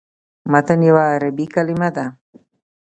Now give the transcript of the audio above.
متن یوه عربي کلمه ده.